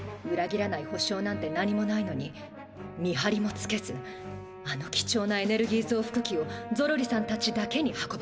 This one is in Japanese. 切らないほしょうなんて何もないのに見はりもつけずあの貴重なエネルギーぞうふくきをゾロリさんたちだけに運ばせるなんて。